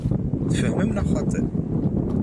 Tfehmem neɣ xaṭi?